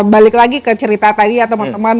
balik lagi ke cerita tadi ya teman teman